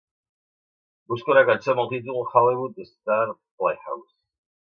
Busca una cançó amb el títol Hollywood Star Playhouse